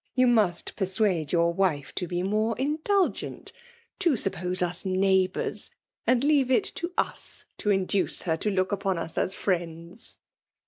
You must persuade your wife to be more indulgent, — to suppose us neighbours ; and leave it to us to induce her to look upon us as friends."